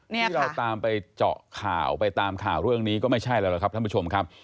ที่เราตามไปเจาะข่าวไปตามข่าวเรื่องนี้ก็ไม่ใช่แล้วล่ะครับท่านผู้ชมครับ